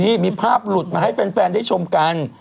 นี่มีภาพหลุดมาให้แฟนได้ชมกัน